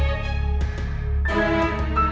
aku mau ke kamar